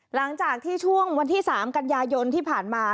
หลังจากที่ช่วงวันที่๓กันยายนที่ผ่านมา